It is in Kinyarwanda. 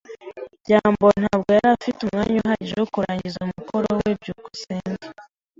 byambo ntabwo yari afite umwanya uhagije wo kurangiza umukoro we. byukusenge